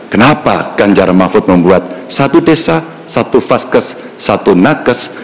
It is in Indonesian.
kenapa ganjar mahfud membuat satu desa satu faskes satu nakes